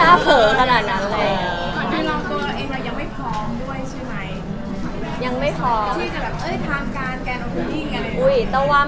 หน้าตนนี้น้องตัวเองเรายังไม่พร้อมด้วยใช่ไหม